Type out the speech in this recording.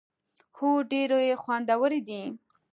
هو، ډیری خوندورې دي